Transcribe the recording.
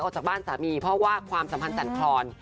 ออกจากบ้านสามีเพราะว่าความสัมพันธ์สันคลอน